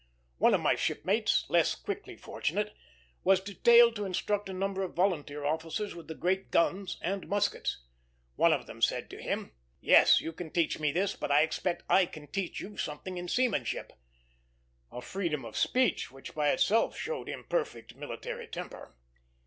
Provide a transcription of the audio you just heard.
One of my shipmates, less quickly fortunate, was detailed to instruct a number of volunteer officers with the great guns and muskets. One of them said to him, "Yes, you can teach me this, but I expect I can teach you something in seamanship"; a freedom of speech which by itself showed imperfect military temper.